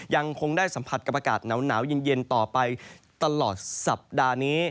ยังคงได้สัมผัสกับอากาศหนาวเย็นต่อไปตลอดสัปดาห์นี้